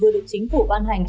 vừa được chính phủ ban hành